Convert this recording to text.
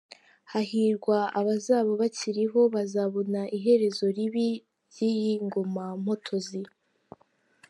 Hahirwa abazaba bakiriho bazabona iherezo ribi ry’iyi ngoma mpotozi !